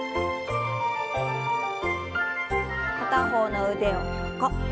片方の腕を横。